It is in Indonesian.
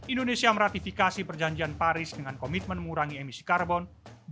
indonesia meratifikasi perjanjian paris dengan komitmen mengurangi emisi karbon